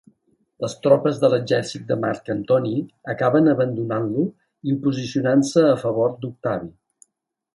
Les tropes de l'exèrcit de Marc Antoni acaben abandonant-lo i posicionant-se a favor d'Octavi.